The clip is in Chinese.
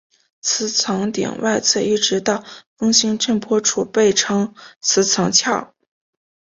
磁层顶外侧一直到弓形震波处被称磁层鞘。